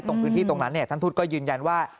ตรงพื้นที่ตรงนั้นท่านทูตก็ยืนยันว่า